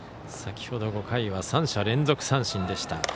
先ほど５回は３者連続三振でした。